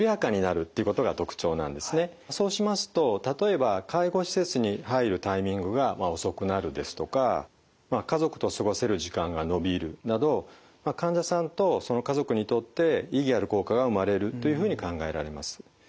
そうしますと例えば介護施設に入るタイミングが遅くなるですとか家族と過ごせる時間が延びるなど患者さんとその家族にとって意義ある効果が生まれるというふうに考えられます。